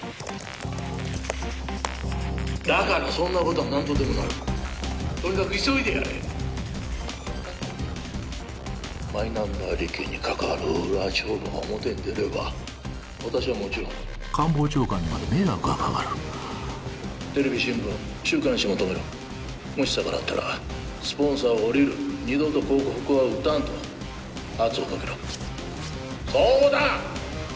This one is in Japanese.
だからそんなことは何とでもなるとにかく急いでやれマイナンバー利権に関わる裏帳簿が表に出れば私はもちろん官房長官にまで迷惑がかかるテレビ新聞週刊誌も止めろもし逆らったらスポンサーを降りる二度と広告は打たんと圧をかけろそうだ！